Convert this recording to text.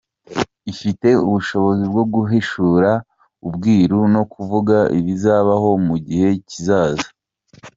Ifite ubushobozi bwo guhishura ubwiru no kuvuga ibizabaho mu gihe kizaza.